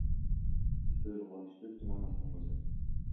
Үпөл — Кубанычбек Тумановдун кызы.